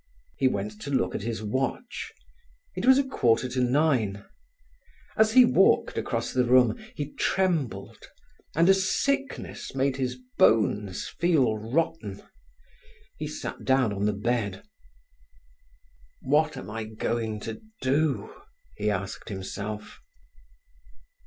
He went to look at his watch. It was a quarter to nine. As he walked across the room he trembled, and a sickness made his bones feel rotten. He sat down on the bed. "What am I going to do?" he asked himself.